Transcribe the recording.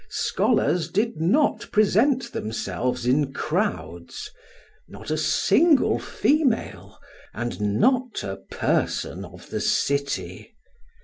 Scholars did not present themselves in crowds, not a single female, and not a person of the city.